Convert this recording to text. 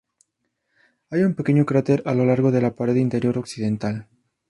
Hay un pequeño cráter a lo largo de la pared interior occidental.